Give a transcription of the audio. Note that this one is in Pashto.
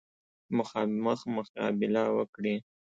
مخامخ مقابله وکړي.